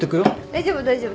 大丈夫大丈夫。